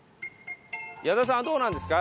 矢田さんはどうなんですか？